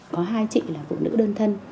có hai chị là phụ nữ đơn thân